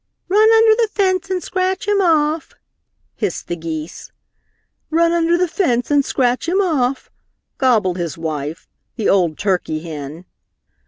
"Run under the fence and scratch him off!" hissed the geese. "Run under the fence and scratch him off!" gobbled his wife, the old turkey hen.